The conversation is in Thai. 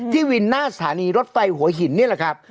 วินหน้าสถานีรถไฟหัวหินนี่แหละครับ